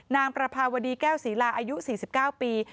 นางประภาวดีแก้วศรีลาอายุ๔๙ปี